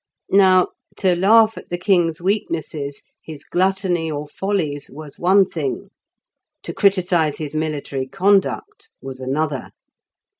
Now, to laugh at the king's weaknesses, his gluttony or follies, was one thing; to criticise his military conduct was another.